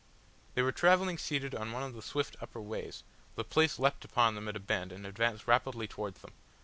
They were travelling seated on one of the swift upper ways, the place leapt upon them at a bend and advanced rapidly towards them.